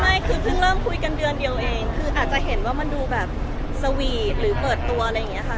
ไม่คือเพิ่งเริ่มคุยกันเดือนเดียวเองคืออาจจะเห็นว่ามันดูแบบสวีทหรือเปิดตัวอะไรอย่างนี้ค่ะ